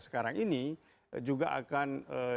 sekarang ini juga akan